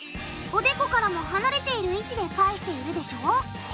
おでこからも離れている位置で返しているでしょ？